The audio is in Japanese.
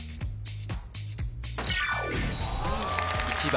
１番